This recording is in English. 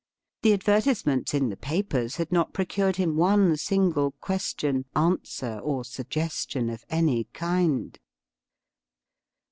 The advertisements in the papers had not procured him one single question, answer, or suggestion of any kind.